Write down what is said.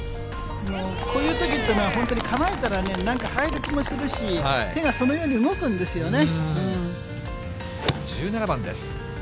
こういうときというのは本当に構えたらね、なんか入る気もするし、手がそのように動くんですよね。